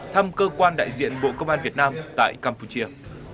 thăm cơ quan đại diện bộ công an việt nam tại campuchia